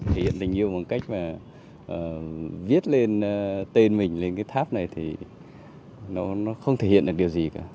thể hiện tình yêu bằng cách mà viết lên tên mình lên cái tháp này thì nó không thể hiện được điều gì cả